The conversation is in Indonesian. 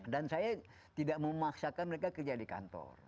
dan saya tidak memaksakan mereka kerja di kantor